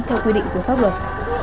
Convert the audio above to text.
theo quy định của pháp luật